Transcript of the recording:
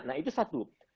nah itu satu